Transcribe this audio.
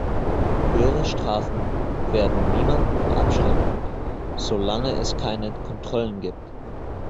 Höhere Strafen werden niemanden abschrecken, solange es keine Kontrollen gibt.